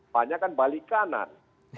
banyak kan balik kanan